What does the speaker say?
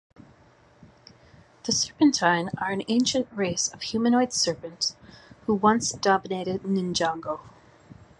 The Serpentine are an ancient race of humanoid serpents who once dominated Ninjago.